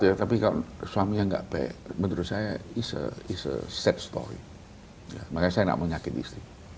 ya tapi kalau suaminya nggak baik menurut saya iso iso set story makanya saya enak menyakiti